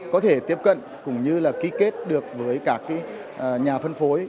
có thể tiếp cận cũng như là ký kết được với các nhà phân phối